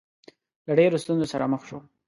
له ډېرو ستونزو سره مخ شو.